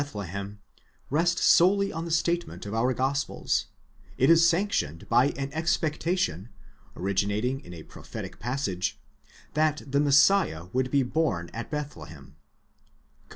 BIRTH AND EARLY LIFE OF JESUS," 189 lehem, rest solely on the statement of our Gospels; it is sanctioned by an expectation, originating in a prophetic passage, that the Messiah would be born at Bethlehem (comp.